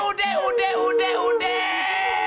udah udah udah udah